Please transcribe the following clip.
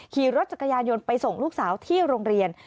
ขี่รถจักรยานยนต์ไปส่งลูกสาวที่โรงเรียน